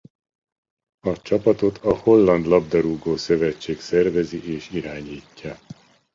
A csapatot a Holland labdarúgó-szövetség szervezi és irányítja.